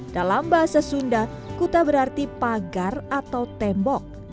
dalam bahasa sunda kuta berarti pagar atau tembok